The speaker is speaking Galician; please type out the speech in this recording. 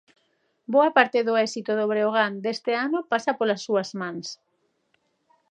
Boa parte do éxito do Breogán deste ano pasa polas súas mans.